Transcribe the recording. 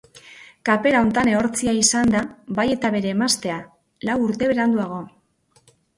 Kapera huntan ehortzia izan da bai eta bere emaztea, lau urte beranduago.